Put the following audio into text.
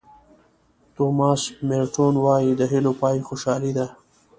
توماس مېرټون وایي د هیلو پای خوشالي ده.